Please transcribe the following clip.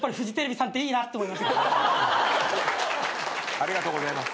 ありがとうございます。